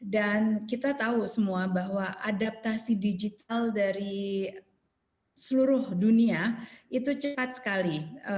dan kita tahu semua bahwa adaptasi digital dari seluruh dunia itu cepat sekali